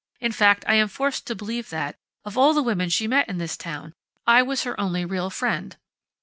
In fact, I am forced to believe that, of all the women she met in this town, I was her only real friend."